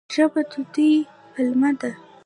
ژبه د دوی پلمه ده.